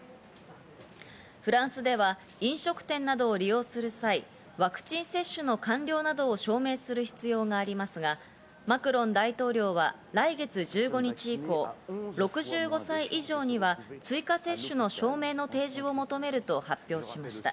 フランスでは飲食店などを利用する際、ワクチン接種の完了などを証明する必要がありますが、マクロン大統領は来月１５日以降、６５歳以上には追加接種の証明の提示を求めると発表しました。